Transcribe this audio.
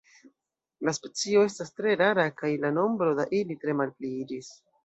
La specio estas tre rara kaj la nombro da ili tre malpliiĝis.